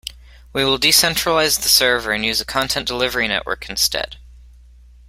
We will decentralize the server and use a content delivery network instead.